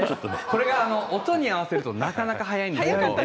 これが音に合わせるとなかなか早いんです。